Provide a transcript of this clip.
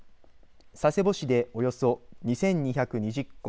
佐世保市でおよそ２２２０戸